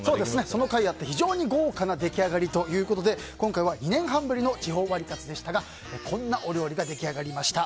そのかいあって、非常に豪華な出来上がりということで今回は２年半ぶりの地方ワリカツでしたがこんなお料理が出来上がりました。